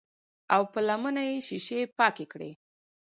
او پۀ لمنه يې شيشې پاکې کړې